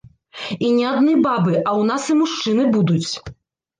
І не адны бабы, а ў нас і мужчыны будуць.